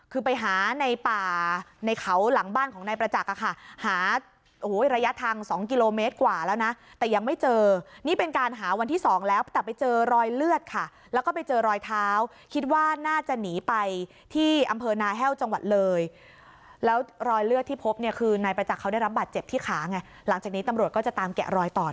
คือไปหาในป่าในเขาหลังบ้านของนายประจักษ์ค่ะหาโอ้โหระยะทาง๒กิโลเมตรกว่าแล้วนะแต่ยังไม่เจอนี่เป็นการหาวันที่สองแล้วแต่ไปเจอรอยเลือดค่ะแล้วก็ไปเจอรอยเท้าคิดว่าน่าจะหนีไปที่อำเภอนาแห้วจังหวัดเลยแล้วรอยเลือดที่พบเนี่ยคือนายประจักษ์เขาได้รับบาดเจ็บที่ขาไงหลังจากนี้ตำรวจก็จะตามแกะรอยต่อ